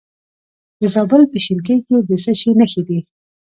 د زابل په شینکۍ کې د څه شي نښې دي؟